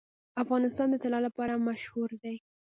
افغانستان د طلا لپاره مشهور دی.